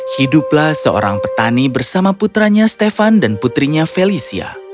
hiduplah seorang petani bersama putranya stefan dan putrinya felicia